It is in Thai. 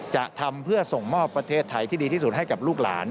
จะทำเพื่อส่งมอบประเทศไทยที่ดีที่สุดให้กับลูกหลาน